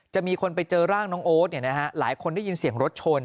จะมีคนไปเจอร่างน้องโอ๊ตหลายคนได้ยินเสียงรถชน